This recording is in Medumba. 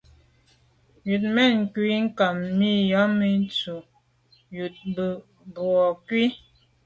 Wut mèn ghù nkam mi yàme tu, wut, mbu boa nku.